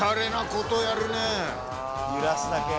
揺らすだけ。